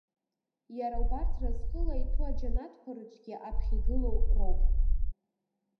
Иара убарҭ разҟыла иҭәу аџьанаҭқәа рыҿгьы аԥхьа игылоу роуп.